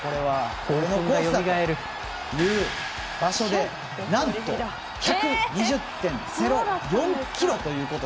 俺のコースだ！という場所でなんと１２０．０４キロ。